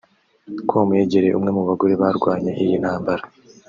com yegereye umwe mu bagore warwanye iyi ntambara